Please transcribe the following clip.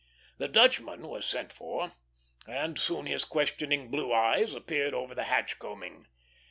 The Dutchman was sent for, and soon his questioning blue eyes appeared over the hatch coaming.